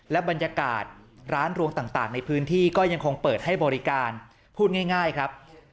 และบรรยากาศร้านรวงต่างในพื้นที่ก็ยังคงเปิดให้บริการพูดง่ายครับ